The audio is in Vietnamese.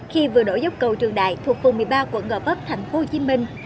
khi vừa đổ dốc cầu trường đại thuộc phường một mươi ba quận gò vấp thành phố hồ chí minh